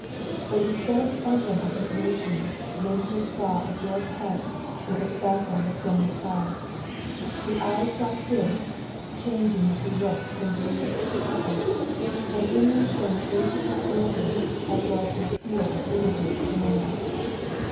But in stead of the emblem of his nation, Lyndhurst saw a girl's head with its background of filmy clouds. The eyes sought his, changing as he looked from blue to purple, and in them shone the innocence of girlhood as 252 THE WIFE OF well as the appeal of womanhood to man.